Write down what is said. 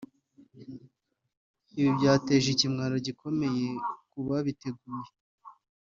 Ibi byateje ikimwaro gikomeye ku babiteguye